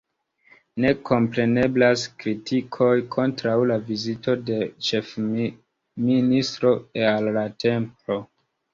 Ne kompreneblas kritikoj kontraŭ la vizito de ĉefministro al la templo.